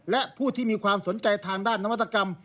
และผู้ที่มีความสนใจทางด้านนวัตกรรม